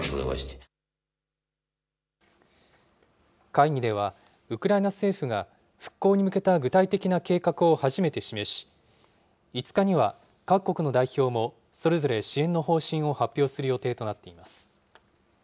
会議では、ウクライナ政府が復興に向けた具体的な計画を初めて示し、５日には各国の代表もそれぞれ支援の方針を発表する予定となっています。